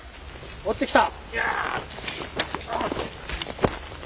追ってきた。